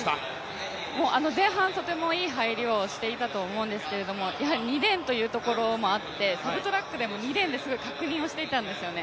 前半とてもいい入りをしていたと思うんですけど、やはり２レーンというところもあって、サブトラックでも２レーンですごい確認をしていたんですよね。